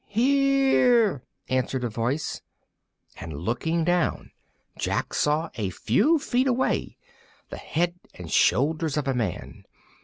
"Here!" answered a voice, and, looking down, Jack saw, a few feet away, the head and shoulders of a man.